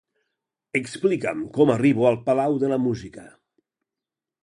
Explica'm com arribo al Palau de la Música.